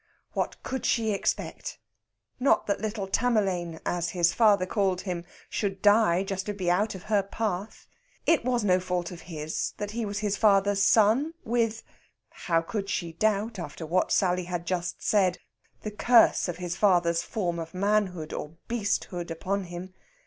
What could she expect? Not that little Tamerlane, as his father called him, should die just to be out of her path. It was no fault of his that he was his father's son, with how could she doubt after what Sally had just said? the curse of his father's form of manhood or beasthood upon him.